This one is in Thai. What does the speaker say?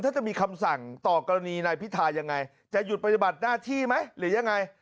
ถ้าจะมีคำสั่งต่อกรณีนายพิทายังไงจะหยุดปฏิบัติหน้าที่ไหมหรือยังไง